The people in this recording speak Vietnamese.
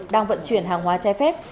đang vận chuyển hàng hóa che phép